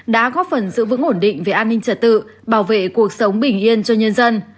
đã góp phần giữ vững ổn định về an ninh trật tự bảo vệ cuộc sống bình yên cho nhân dân